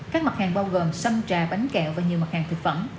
các mặt hàng bao gồm sanh trà bánh kẹo và nhiều mặt hàng thực phẩm